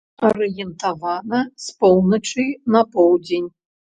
Арыентавана з поўначы на поўдзень.